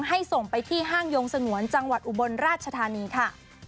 ส่งไปที่ห้างยงสงวนจังหวัดอุบลราชธานีค่ะ